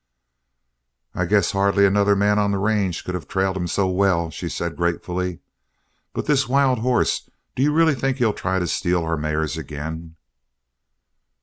"I guess hardly another man on the range could have trailed them so well," she said gratefully. "But this wild horse do you really think he'll try to steal our mares again?"